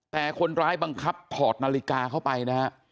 แต่คนร้ายบังคับถอดนาฬิกาเข้าไปนะฮะ